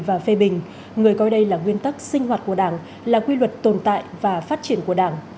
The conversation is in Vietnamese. và phê bình người coi đây là nguyên tắc sinh hoạt của đảng là quy luật tồn tại và phát triển của đảng